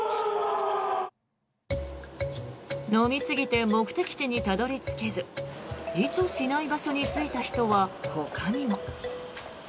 飲みすぎて目的地にたどり着けず意図しない場所に着いた人はほかにも。